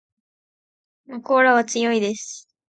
まこーらは強いです